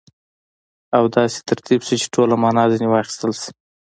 او داسي ترتیب سي، چي ټوله مانا ځني واخستل سي.